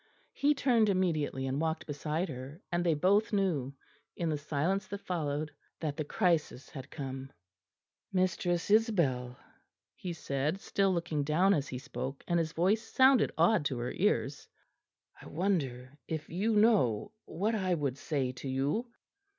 He turned immediately and walked beside her, and they both knew, in the silence that followed, that the crisis had come. "Mistress Isabel," he said, still looking down as he spoke, and his voice sounded odd to her ears, "I wonder if you know what I would say to you."